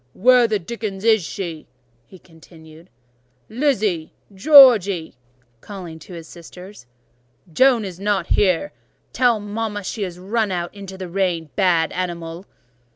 "Where the dickens is she!" he continued. "Lizzy! Georgy! (calling to his sisters) Joan is not here: tell mama she is run out into the rain—bad animal!"